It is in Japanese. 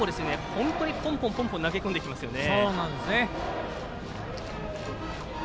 本当にポンポン投げ込んできますね。